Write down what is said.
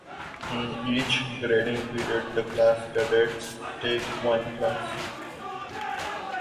In each grading period, the cadets take one class.